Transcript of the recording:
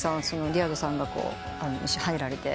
リアドさんが入られて。